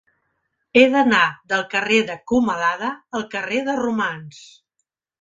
He d'anar del carrer de Comalada al carrer de Romans.